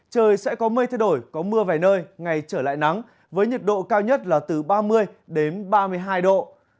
trời sẽ có mây thay đổi có mưa vài nơi ngày trở lại nắng với nhiệt độ cao nhất là từ ba mươi đến ba mươi hai độ